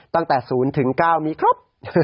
ตั้งแต่๐๙นี้ครับ